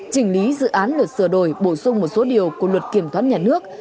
chỉnh lý dự án luật sửa đổi bổ sung một số điều của luật kiểm toán nhà nước